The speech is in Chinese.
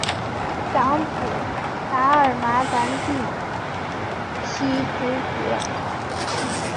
长子达尔玛咱第袭职爵。